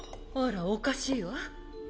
あらおかしいわ？